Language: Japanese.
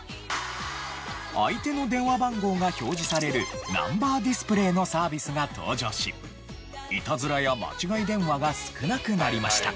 相手の電話番号が表示されるナンバーディスプレイのサービスが登場しイタズラや間違い電話が少なくなりました。